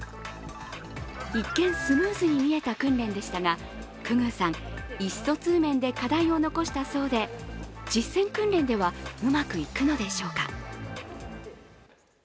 一見、スムーズに見えた訓練でしたが、久々宇さん、意思疎通面で課題を残したそうで実戦訓練ではうまくいくのでしょうか。